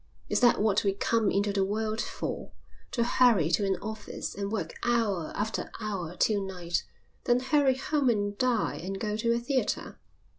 Is that what we come into the world for, to hurry to an office, and work hour after hour till night, then hurry home and dine and go to a theatre?